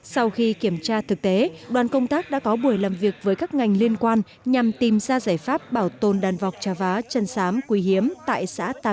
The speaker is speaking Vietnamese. sau khi kiểm tra thực tế đoàn công tác đã có buổi làm việc với các ngành liên quan nhằm tìm ra giải pháp bảo tồn đàn vọc trà vá chân sám quỳ hiếm tại xã tam mỹ tây huyện núi thành